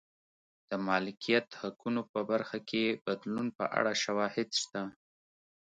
د مالکیت حقونو په برخه کې بدلون په اړه شواهد شته.